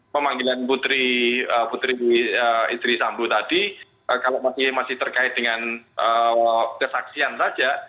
pemanggilan putri istri sambo tadi kalau masih terkait dengan kesaksian saja